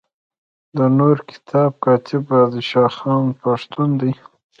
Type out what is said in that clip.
د نور کتاب کاتب بادشاه خان پښتون دی.